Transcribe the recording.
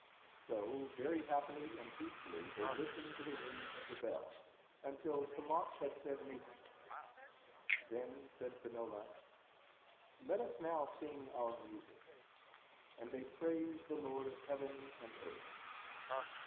So very happily and peacefully they listened to the ringing of the bell, until Kemoc had said matins. Then said Finola: "Let us now sing our music," and they praised the Lord of heaven and earth.